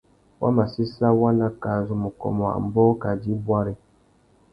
Wa mà séssa waná kā zu mù kômô ambōh kā djï bwari.